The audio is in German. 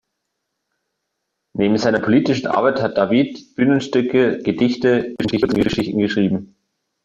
Neben seiner politischen Arbeit hat Davíð Bühnenstücke, Gedichte und Kurzgeschichten geschrieben.